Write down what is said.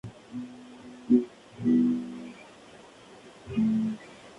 Ellos consideraron que su flota de transbordadores mineros era lo más importante.